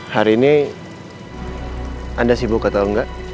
hari ini anda sibuk atau enggak